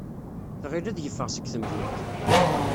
Tɣil ad yeffeɣ seg temdint.